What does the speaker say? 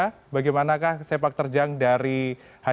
kemudian untuk perkembangan dari bpn